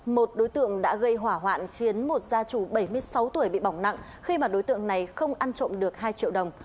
một đối tượng đã gây hỏa hoạn khiến một gia chủ bảy mươi sáu tuổi bị bỏng nặng khi mà đối tượng này không ăn trộm được hai triệu đồng